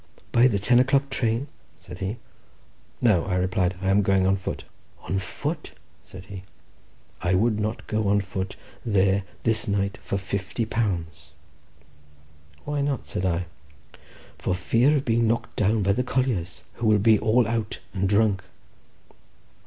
"By the ten o'clock train?" said he. "No," I replied, "I am going on foot." "On foot!" said he; "I would not go on foot there this night for fifty pounds." "Why not?" said I. "For fear of being knocked down by the colliers, who will be all out and drunk."